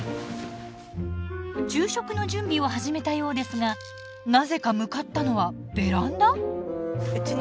昼食の準備を始めたようですがなぜか向かったのはベランダ？